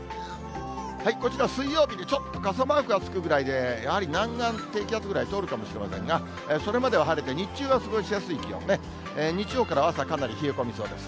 こちら、水曜日にちょっと傘マークがつくぐらいで、やはり南岸低気圧ぐらい通るかもしれませんが、それまでは晴れて、日中は過ごしやすい気温で、日曜からは朝、かなり冷え込みそうです。